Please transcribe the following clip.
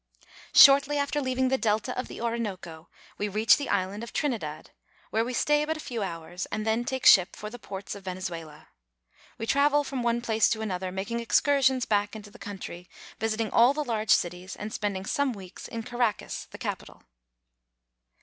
SHORTLY after leaving the delta of the Orinoco we reach the island of Trinidad, where we stay but a few hours, and then take ship for the ports of Venezuela. We travel from one place to another, making excursions back CARACAS. 335 into the country, visiting all the large cities, and spending some weeks in Caracas the capital.